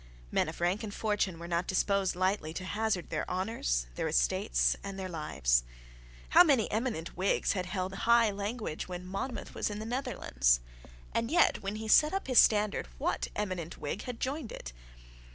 Men of rank and fortune were not disposed lightly to hazard their honours, their estates, and their lives. How many eminent Whigs had held high language when Monmouth was in the Netherlands! And yet, when he set up his standard, what eminent Whig had joined it?